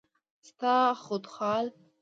ستا خدوخال